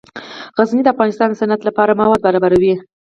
غزني د افغانستان د صنعت لپاره مواد برابروي.